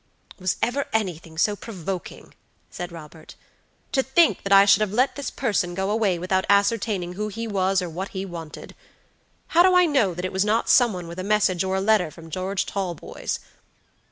"Was ever anything so provoking?" said Robert. "To think that I should have let this person go away without ascertaining who he was, or what he wanted! How do I know that it was not some one with a message or a letter from George Talboys?"